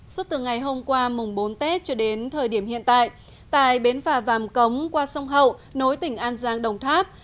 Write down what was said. suốt từ ngày hôm qua mùng bốn tết cho đến thời điểm hiện tại tại bến phà vàm cống qua sông hậu nối tỉnh an giang đồng tháp